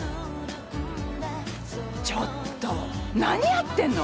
ちょっと何やってんの？